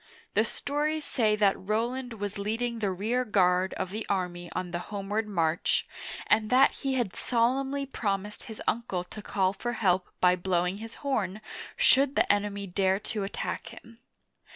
The stories say that Roland was lead ing the rear guard of the army on the homeward march. Digitized by Google CHARLEMAGNE (768 814) 71 and that he had solemnly promised his uncle to call for help by blowing his horn, should the enemy dare to attack him.